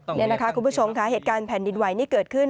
นี่นะคะคุณผู้ชมค่ะเหตุการณ์แผ่นดินไหวนี่เกิดขึ้น